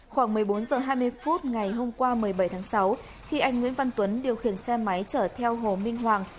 khoảng một mươi bốn h hai mươi phút ngày hôm qua một mươi bảy tháng sáu khi anh nguyễn văn tuấn điều khiển xe máy chở theo hồ minh hoàng